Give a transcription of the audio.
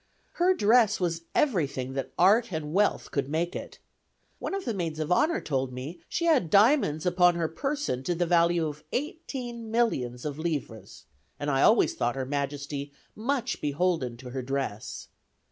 Her dress was every thing that art and wealth could make it. One of the maids of honor told me she had diamonds upon her person to the value of eighteen millions of livres; and I always thought her majesty much beholden to her dress.